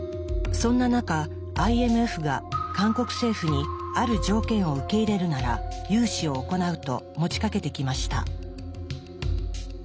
そんな中ＩＭＦが韓国政府にある条件を受け入れるなら融資を行うと持ちかけてきました。